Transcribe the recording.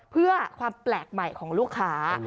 เพื่อความแปลกใหม่ของลูกค้า